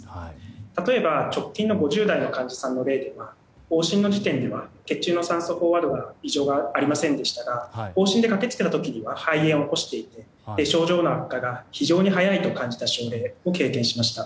例えば直近の５０代の患者さんの例では往診の際には血中の酸素飽和度は異常がありませんでしたが往診で駆けつけた時には肺炎を起こしていて症状の悪化が非常に速いと感じた症例がありました。